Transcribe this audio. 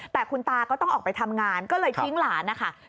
แต่คุณตาก็ต้องออกไปทำงานก็เลยทิ้งหลานนะคะ